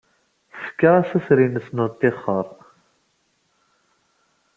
Tefka assuter-nnes n uttixer.